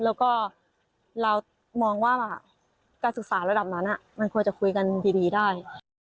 แล้วก็เรามองว่าการศึกษาระดับนั้นมันควรจะคุยกันดีได้